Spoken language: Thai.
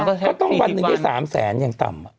ก็ต้องวันหนึ่งได้๓แสนอย่างต่ำ